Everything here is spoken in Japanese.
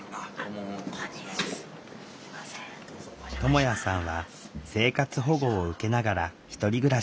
ともやさんは生活保護を受けながら１人暮らし。